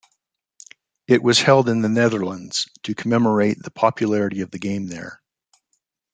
It was held in the Netherlands to commemorate the popularity of the game there.